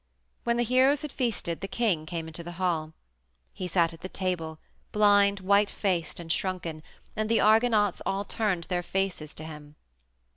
When the heroes had feasted, the king came into the hall. He sat at the table, blind, white faced, and shrunken, and the Argonauts all turned their faces to him.